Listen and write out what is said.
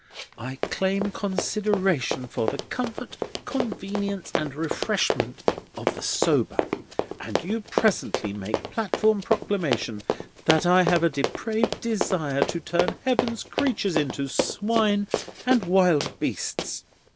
I claim consideration for the comfort, convenience, and refreshment of the sober; and you presently make platform proclamation that I have a depraved desire to turn Heaven's creatures into swine and wild beasts!